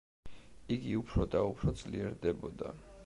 იგი უფრო და უფრო ძლიერდებოდა.